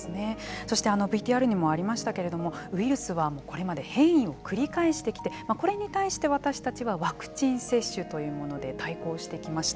そしてＶＴＲにもありましたけれどもウイルスはこれまで変異を繰り返してきてこれに対して私たちはワクチン接種というもので対抗してきました。